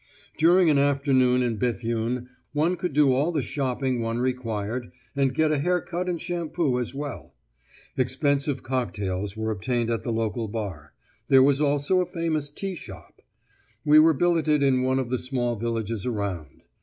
During an afternoon in Béthune one could do all the shopping one required, and get a hair cut and shampoo as well. Expensive cocktails were obtainable at the local bar; there was also a famous tea shop. We were billeted in one of the small villages around.